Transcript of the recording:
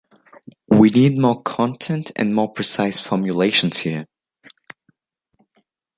We need more content and more precise formulations here.